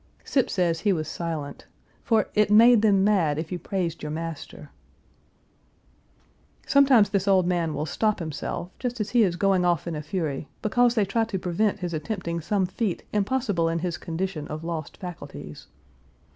Scip says he was silent, for it "made them mad if you praised your master." Sometimes this old man will stop himself, just as he is going off in a fury, because they try to prevent his attempting some feat impossible in his condition of lost faculties.